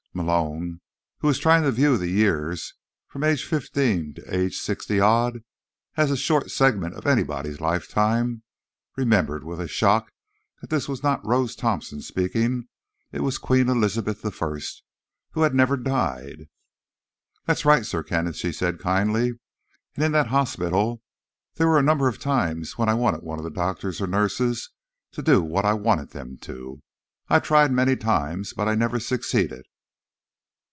Malone, who was trying to view the years from age fifteen to age sixty odd as a short segment of anybody's lifetime, remembered with a shock that this was not Rose Thompson speaking. It was Queen Elizabeth I, who had never died. "That's right, Sir Kenneth," she said kindly. "And in that hospital, there were a number of times when I wanted one of the doctors or nurses to do what I wanted them to. I tried many times, but I never succeeded."